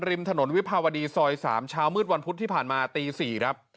ริมถนนวิภาวดีซอย๓เช้ามืดวันพุธที่ผ่านมาตี๔ครับ